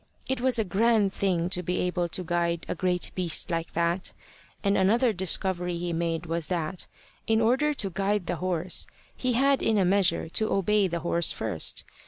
It was a grand thing to be able to guide a great beast like that. And another discovery he made was that, in order to guide the horse, he had in a measure to obey the horse first.